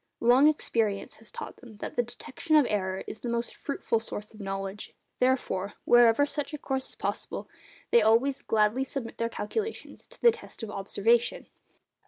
Long experience has taught them that the detection of error is the most fruitful source of knowledge; therefore, wherever such a course is possible, they always gladly submit their calculations to the test of observation.